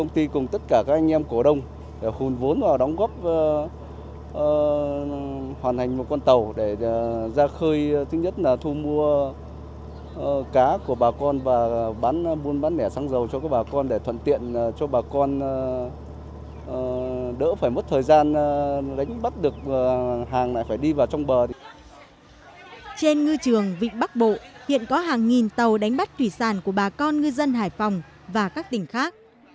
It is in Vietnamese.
trên ngư trường vịnh bắc bộ hiện có hàng nghìn tàu đánh bắt thủy sản của bà con ngư dân hải phòng và các tỉnh khác